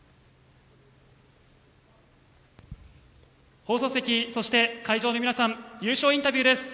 放送席、そして会場の皆さん優勝インタビューです。